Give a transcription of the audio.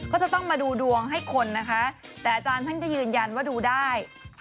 ก็จะต้องมาดูดวงให้คนนะคะแต่อาจารย์ท่านก็ยืนยันว่าดูได้